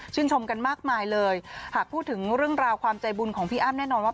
ชมกันมากมายเลยหากพูดถึงเรื่องราวความใจบุญของพี่อ้ำแน่นอนว่า